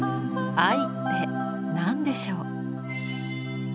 「愛」って何でしょう？